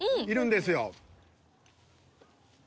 いるんですよ。